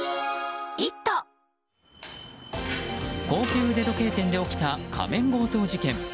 高級腕時計店で起きた仮面強盗事件。